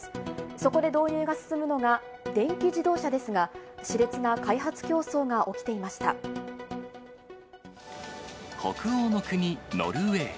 そこで導入が進むのが電気自動車ですが、しれつな開発競争が起き北欧の国、ノルウェー。